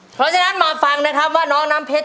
เพราะฉะนั้นมาฟังนะครับว่าน้องน้ำเพชร